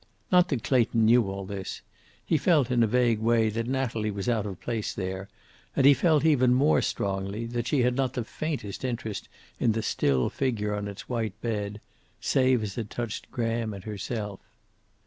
Not that Clayton knew all this. He felt, in a vague way, that Natalie was out of place there, and he felt, even more strongly, that she had not the faintest interest in the still figure on its white bed save as it touched Graham and herself.